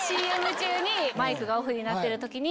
マイクがオフになってる時に。